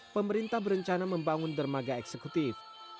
pemerintah berencana membangun dermaga eksekutif